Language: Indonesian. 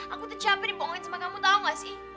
aku tuh capek dibohongin sama kamu tau gak sih